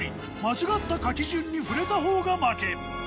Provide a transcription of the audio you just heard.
間違った書き順にふれた方が負け。